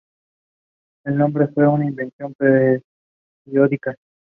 El nombre fue una invención periodística.